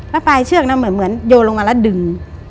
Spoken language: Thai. แล้วปลายเชือกนั้นเหมือนโยนลงมาแล้วดึง